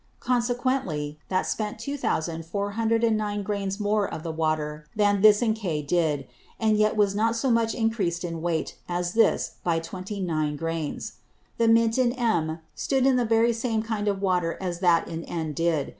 Consequently that spent 2409 Grains more of the Water than this in K, did, and yet was not so much encreased in weight as this by 29 Grains. The Mint in M, stood in the very same kind of Water as that in N, did.